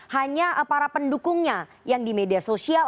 hanya para pendukungnya yang di media sosial